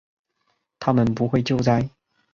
他们不会救灾